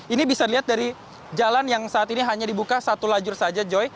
ini bisa dilihat dari jalan yang saat ini hanya dibuka satu lajur saja joy